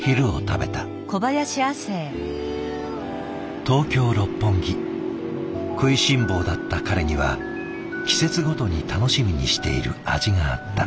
食いしん坊だった彼には季節ごとに楽しみにしている味があった。